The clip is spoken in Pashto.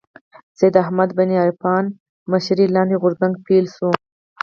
سید احمد بن عرفان مشرۍ لاندې غورځنګ پيل کړ